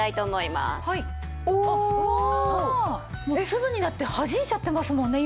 すぐにだってはじいちゃってますもんね